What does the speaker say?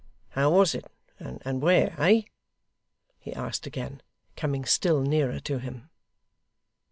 How was it, and where, eh?' he asked again, coming still nearer to him.